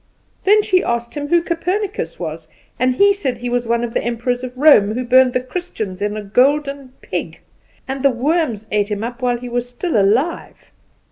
Then she asked him who Copernicus was; and he said he was one of the Emperors of Rome, who burned the Christians in a golden pig, and the worms ate him up while he was still alive.